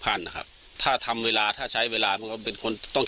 พันนะครับถ้าทำเวลาถ้าใช้เวลามันก็เป็นคนต้อง